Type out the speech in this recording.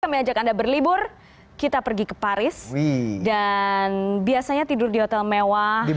kami ajak anda berlibur kita pergi ke paris dan biasanya tidur di hotel mewah